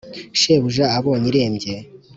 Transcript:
shebuja abonye irembye,